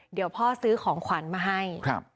เดี๋ยวพ่อซื้อของขวัญมาให้